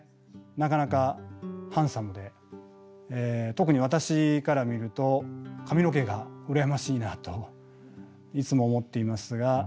なかなかハンサムで特に私から見ると髪の毛が羨ましいなといつも思っていますが。